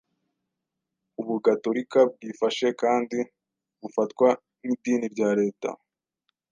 ubugatolika bwifashe kandi bufatwa nk'idini rya Leta